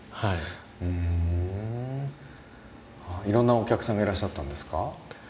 いろんなお客さんがいらっしゃったんですか？